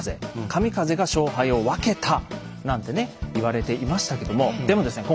神風が勝敗を分けたなんてね言われていましたけどもでもですね